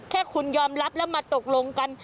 แค่คุณยอมรับแล้วมาตกลงกัน